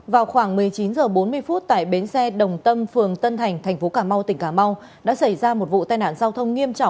vào khoảng một mươi chín h bốn mươi phút tại bến xe đồng tâm phường tân thành thành phố cà mau tỉnh cà mau đã xảy ra một vụ tai nạn giao thông nghiêm trọng